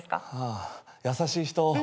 ああ優しい人。